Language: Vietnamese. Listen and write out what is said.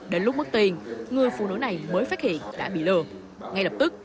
đến lúc mất tiền người phụ nữ này mới phát hiện đã bị lừa ngay lập tức